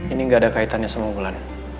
ini gak ada kaitannya sama umlan